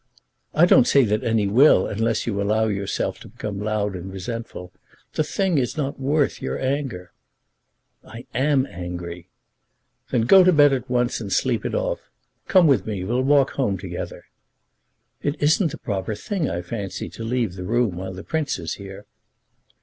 "I don't say that any will unless you allow yourself to become loud and resentful. The thing is not worth your anger." "I am angry." "Then go to bed at once, and sleep it off. Come with me, and we'll walk home together." "It isn't the proper thing, I fancy, to leave the room while the Prince is here."